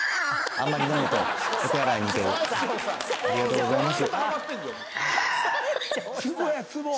ありがとうございます